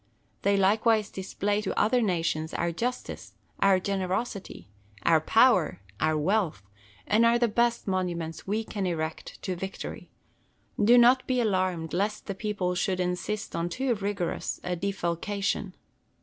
They likewise display to other nations our justice, our generosity, our power, our wealth, and are the best monuments we can erect to Victory. Do not be alarmed lest the people should insist on too rigorous a defalcation.